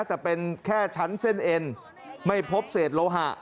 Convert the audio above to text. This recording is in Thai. แต่เป็นแค่ชั้นเส้นเอ็นไม่พบเศษโลหะ